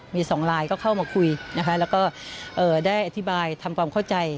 มีสองไลน์ก็เข้ามาคุยนะคะแล้วก็ได้อธิบายทำความเข้าใจ